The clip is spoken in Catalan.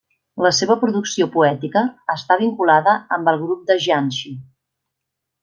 La seva producció poètica està vinculada amb el Grup de Jiangxi.